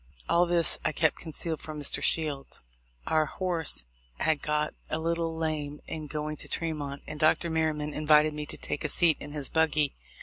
All this I kept concealed from Mr. Shields. Our horse had got a little lame in going to Tremont, and Dr. Merryman invited me to take a seat in his buggy.